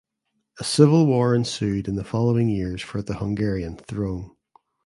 A civil war ensued in the following years for the Hungarian throne.